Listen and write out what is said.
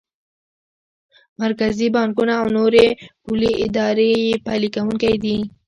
مرکزي بانکونه او نورې پولي ادارې یې پلي کوونکی دي.